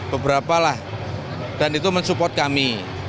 beberapa lah dan itu mensupport kami